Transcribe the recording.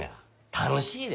楽しいで。